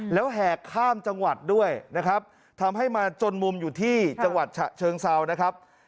แล้วแหกข้ามจังหวัดด้วยนะครับทำให้มาจนมุมอยู่ที่จังหวัดฉะเชิงเซานะครับ